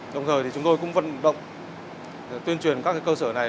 đồng thời thì chúng tôi cũng vận động tuyên truyền các cơ sở này